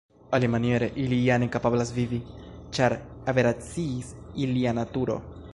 Alimaniere ili jam ne kapablas vivi, ĉar aberaciis ilia naturo.